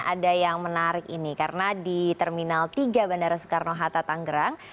ada yang menarik ini karena di terminal tiga bandara soekarno hatta tanggerang